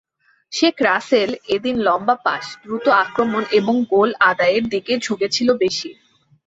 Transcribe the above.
শেখ রাসেল এদিন লম্বা পাস, দ্রুত আক্রমণ এবং গোল আদায়ের দিকে ঝুঁকেছিল বেশি।